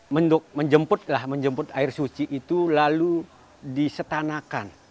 menjemputlah menjemput air suci itu lalu disetanakan